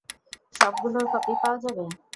সবগুলোর কপি পাওয়া যাবে?